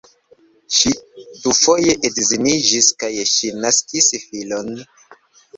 Ŝi dufoje edziniĝis kaj ŝi naskis filon.